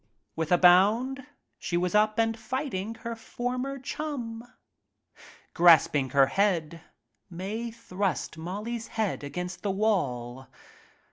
With a bound she was up and fighting her former chum. Grasping her head, Mae thrust 's head against the wall.